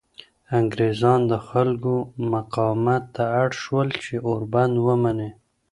انګریزان د خلکو مقاومت ته اړ شول چې اوربند ومني.